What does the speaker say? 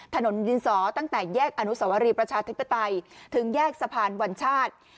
ถนนดินสอตั้งแต่แยกอนุสวรีประชาธิปไตยถึงแยกสะพานวัญชาติ